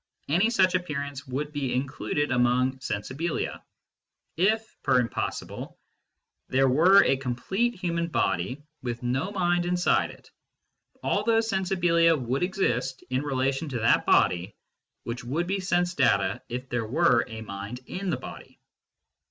Any such appearance would be included among sensibilia. If $er impossibile there were a complete human body with no mind in side it, all those sensibilia would exist, in relation to that body, which would be sense data if there were a mind in the body.